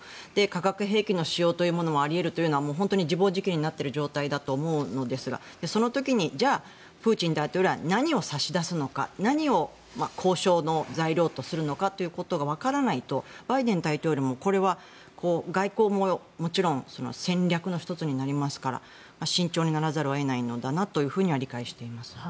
化学兵器の使用というのもあり得るというのは本当に自暴自棄になっている状態だと思うのですがその時にじゃあ、プーチン大統領は何を差し出すのか何を交渉の材料とするのかということがわからないとバイデン大統領もこれは外交も、もちろん戦略の１つになりますから慎重にならざるを得ないのだなと理解しています。